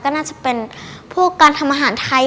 ก็น่าจะเป็นพวกการทำอาหารไทย